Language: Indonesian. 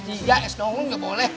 s dua s tiga s empat gak boleh